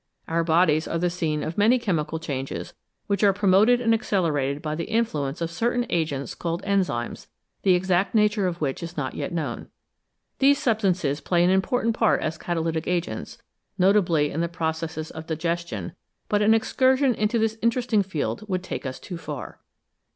Our bodies are the scene of many chemical changes which are promoted and accelerated by the influence of certain agents called enzymes, the exact nature of which is not yet known. These substances play an important part as catalytic agents, notably in the processes of digestion, but an excursion into this interesting field would take us too far.